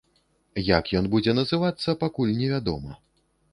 Як ён будзе называцца, пакуль невядома.